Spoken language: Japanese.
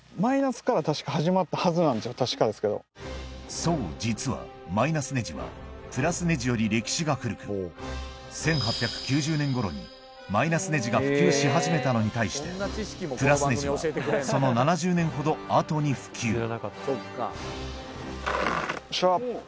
そう実はマイナスネジはプラスネジより歴史が古く１８９０年頃にマイナスネジが普及し始めたのに対してプラスネジはその７０年ほど後に普及よっしゃ。